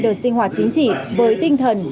đợt sinh hoạt chính trị với tinh thần